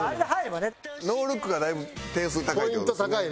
ノールックがだいぶ点数高い。